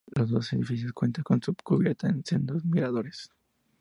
Los dos edificios cuentan en su cubierta con sendos miradores.